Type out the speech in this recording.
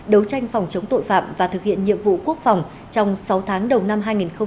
đấu tranh phòng chống tội phạm và thực hiện nhiệm vụ quốc phòng trong sáu tháng đầu năm hai nghìn hai mươi bốn